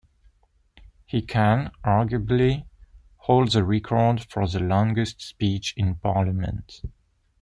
He can, arguably, hold the record for the longest speech in Parliament.